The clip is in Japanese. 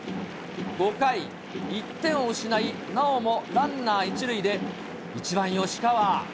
５回、１点を失い、なおもランナー１塁で、１番吉川。